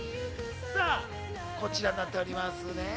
こちらになっておりますね。